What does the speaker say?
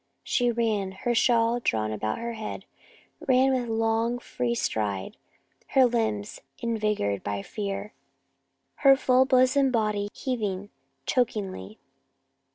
She ran, her shawl drawn about her head ran with long, free stride, her limbs envigored by fear, her full bosomed body heaving chokingly.